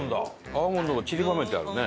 アーモンドがちりばめてあるね。